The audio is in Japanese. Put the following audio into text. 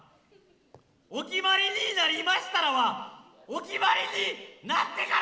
「お決まりになりましたら」はお決まりになってから！